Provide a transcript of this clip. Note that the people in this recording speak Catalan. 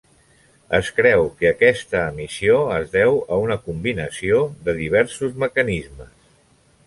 Es creu que aquesta emissió es deu a una combinació de diversos mecanismes.